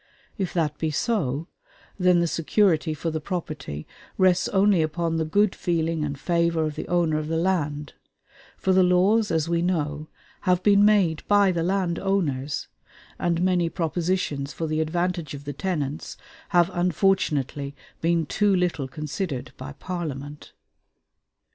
If that be so, then the security for the property rests only upon the good feeling and favor of the owner of the land; for the laws, as we know, have been made by the land owners, and many propositions for the advantage of the tenants have unfortunately been too little considered by Parliament.